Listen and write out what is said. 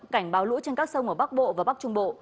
cảnh báo lũ trên các sông ở bắc bộ và bắc trung bộ